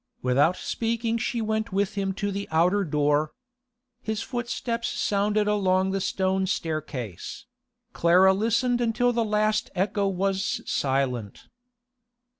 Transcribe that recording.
Without speaking she went with him to the outer door. His footsteps sounded along the stone staircase; Clara listened until the last echo was silent.